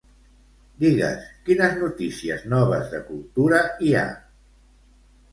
Digues quines notícies noves de cultura hi ha.